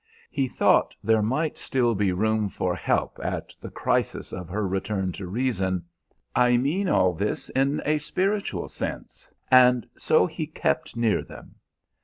He thought there might still be room for help at the crisis of her return to reason (I mean all this in a spiritual sense), and so he kept near them.